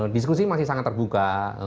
diskusi masih sangat terbuka